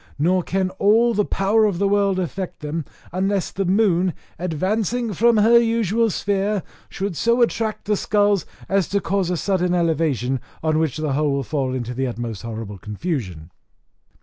Nor can all the power of the world affect them, unless the moon, advancing from her usual sphere, should so much attract the skulls as to cause a sudden elevation, on which the whole will fall into the most horrible confusion."